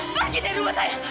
pergi dari rumah saya